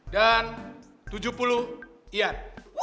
dan tujuh puluh iyan